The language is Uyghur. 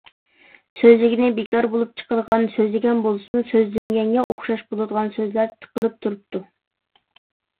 سۆزلىگىنى بىكار بولۇپ چىقىدىغان، سۆزلىگەن بولسىمۇ سۆزلىمىگەنگە ئوخشاش بولىدىغان سۆزلەر تىقىلىپ تۇرۇپتۇ.